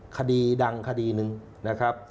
คดีดังคดีหนึ่งนะครับ